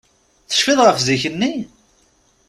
Tecfiḍ ɣef zik-nni?